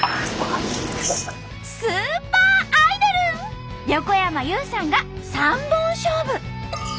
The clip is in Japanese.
スーパーアイドル横山裕さんが三本勝負！